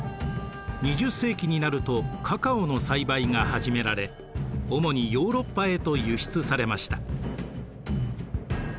２０世紀になるとカカオの栽培が始められ主にヨーロッパへと輸出されました。